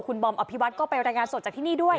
คุณบอมอภิวัตก็ไปรายงานสดจากที่นี่ด้วย